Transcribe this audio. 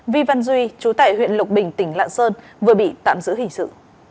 vi văn duy chú tải huyện lục bình tỉnh lạng sơn vừa bị tạm giữ hình sự